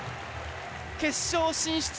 決勝進出！